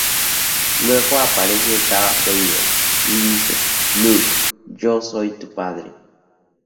Luego aparece Darth Vader y dice "Luke, yo soy tu padre".